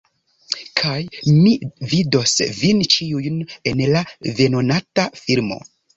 Kaj mi vidos vin ĉiujn en la venonata filmo.